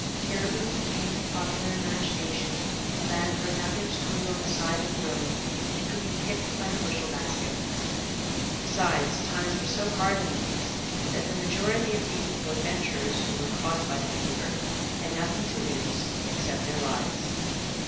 Cariboo became in popular imagination a land where nuggets grew on the side of the road and could be picked by the bushel basket. Besides, times were so hard in the East that the majority of the youthful adventurers who were caught by the fever had nothing to lose except their lives.